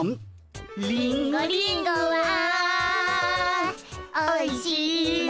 「リンゴリンゴはおいしいな」